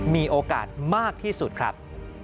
มีโอกาสมากที่สุดครับ